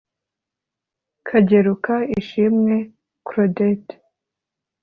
Kageruka Ishimwe Claudette